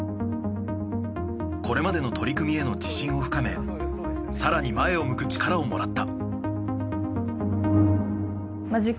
これまでの取り組みへの自信を深め更に前を向く力をもらった。